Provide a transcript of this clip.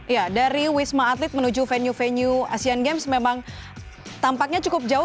ya dari wisma atlet menuju venue venue asian games memang tampaknya cukup jauh